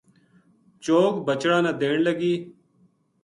چوگ بچڑاں نا دین لگی